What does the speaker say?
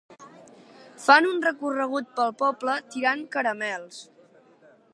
Fan un recorregut pel poble tirant caramels.